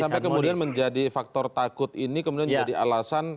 sampai kemudian menjadi faktor takut ini kemudian jadi alasan